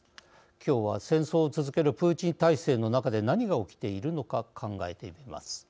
今日は、戦争を続けるプーチン体制の中で何が起きているのか考えてみます。